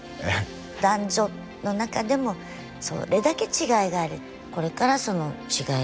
男女の中でもそれだけ違いがある。